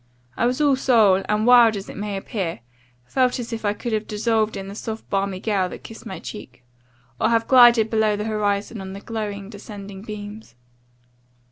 I was all soul, and (wild as it may appear) felt as if I could have dissolved in the soft balmy gale that kissed my cheek, or have glided below the horizon on the glowing, descending beams.